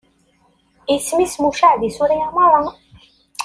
Isem-is mucaɛ di Surya meṛṛa.